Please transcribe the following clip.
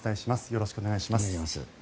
よろしくお願いします。